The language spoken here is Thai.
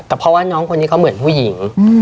แต่เพราะว่าน้องคนนี้เขาเหมือนผู้หญิง